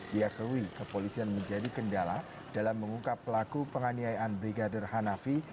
diakui kepolisian menjadi kendala dalam mengungkap pelaku penganiayaan brigadir hanafi